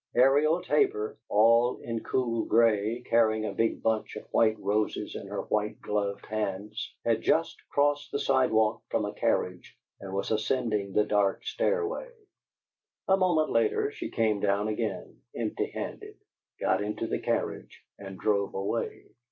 Ariel Tabor, all in cool gray, carrying a big bunch of white roses in her white gloved hands, had just crossed the sidewalk from a carriage and was ascending the dark stairway. A moment later she came down again, empty handed, got into the carriage, and drove away.